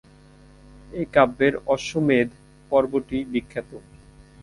এই কাব্যের "অশ্বমেধ পর্ব"টি বিখ্যাত।